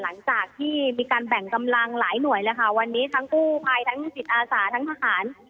หลังจากที่มีการแบ่งกำลังหลายหน่วยเลยค่ะวันนี้ทั้งกู้ภัยทั้งจิตอาสาทั้งทหาร